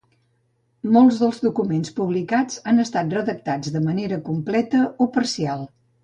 Molts dels documents publicats han estat redactats de manera completa o parcial.